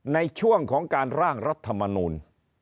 ในช่วงของการร่างรัฐมนูล